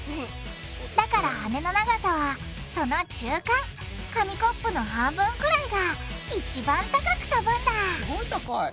だから羽の長さはその中間紙コップの半分ぐらいが一番高く飛ぶんだすごい高い。